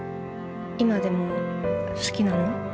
今でも好きなの？